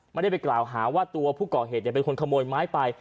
ไม่ได้ไปกล่าวหาว่าตัวผู้ก่อเหตุเป็นคนขโมยไม้ไป